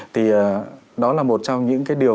thì đó là một trong những điều